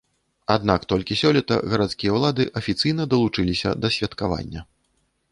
Аднак толькі сёлета гарадскія ўлады афіцыйна далучыліся да святкавання.